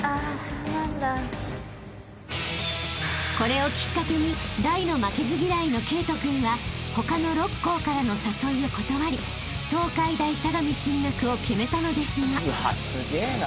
［これをきっかけに大の負けず嫌いの慧登君は他の６校からの誘いを断り東海大相模進学を決めたのですが］